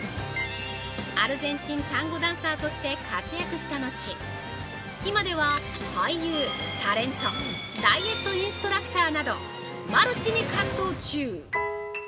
アルゼンチンタンゴダンサーとして活躍したのち、今では俳優・タレント・ダイエットインストラクターなど、マルチに活動中。